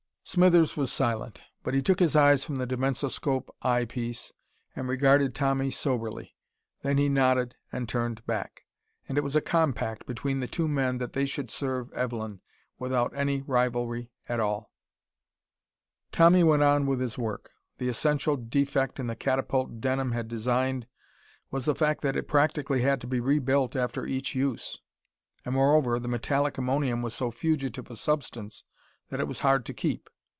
Smithers was silent. But he took his eyes from the dimensoscope eye piece and regarded Tommy soberly. Then he nodded and turned back. And it was a compact between the two men that they should serve Evelyn, without any rivalry at all. Tommy went on with his work. The essential defect in the catapult Denham had designed was the fact that it practically had to be rebuilt after each use. And, moreover, the metallic ammonium was so fugitive a substance that it was hard to keep.